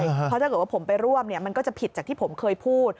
เพราะถ้าเกิดว่าผมไปร่วมมันก็จะผิดจากที่ผมเคยพูด